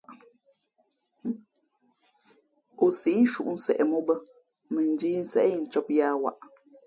Ǒ sǐʼ nshuʼ nseʼ mǒ bᾱ, mα njīīnseʼ incōb yāā waʼ.